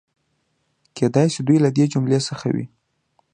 کېدای شي دوی له دې جملې څخه وي.